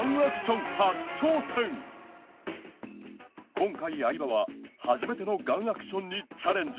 今回相葉は初めてのガンアクションにチャレンジ